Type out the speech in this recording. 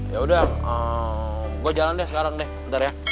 yaudah gue jalan deh sekarang deh bentar ya